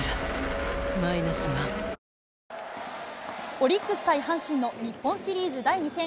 オリックス対阪神の日本シリーズ第２戦。